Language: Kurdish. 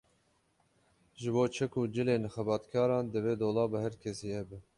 Ji bo çek û cilên xebatkaran divê dolaba her kesî hebe